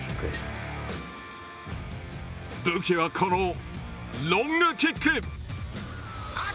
武器はこのロングキック。